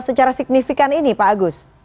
secara signifikan ini pak agus